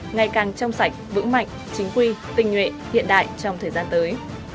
ngày càng trong sạch vững mạnh chính quy tình nguyện hiện đại trong thời gian tới